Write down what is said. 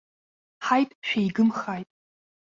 Ҳаит, шәеигымхааит.